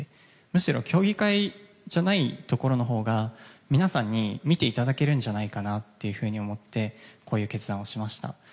むしろ競技会じゃないところのほうが皆さんに見ていただけるんじゃないかなって思ってこういう決断をしました。